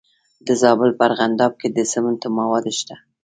د زابل په ارغنداب کې د سمنټو مواد شته.